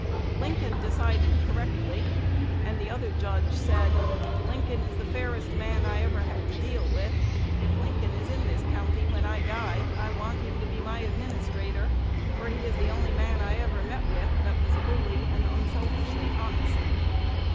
Lincoln decided correctly; and the other judge said, 'Lincoln is the fairest man I ever bad to deal with: if Lincoln is in this county when I die, I want him to be my administrator, for he is the only man I ever met with that was wholly and unselfishly honest.'"